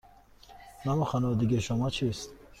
نام خانوادگی شما چیست؟